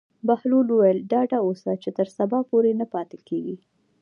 بهلول وویل: ډاډه اوسه چې تر سبا پورې نه پاتې کېږي.